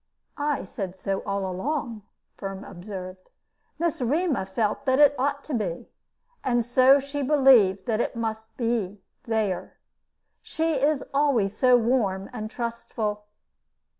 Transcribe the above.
"I said so all along," Firm observed. "Miss Rema felt that it ought to be, and so she believed that it must be, there. She is always so warm and trustful."